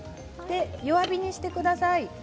弱火にしてください。